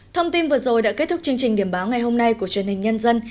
thông tin vừa rồi đã kết thúc chương trình điểm báo ngày hôm nay của truyền hình nhân dân